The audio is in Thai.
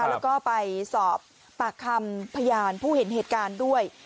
แล้วก็ไปสอบปากคำพยานผู้เห็นเหตุการณ์ด้วย